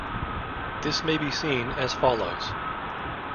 This may be seen as follows.